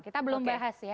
kita belum bahas ya